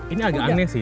ini agak aneh sih